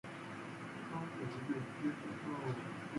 The convoy of fifteen ships falls for the ruse and arrives.